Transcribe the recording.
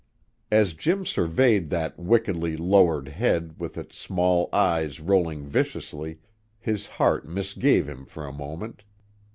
As Jim surveyed that wickedly lowered head with its small eyes rolling viciously, his heart misgave him for a moment.